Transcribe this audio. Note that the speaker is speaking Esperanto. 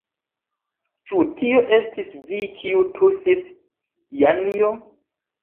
Ĉu tio estis vi, kiu tusis, Janjo?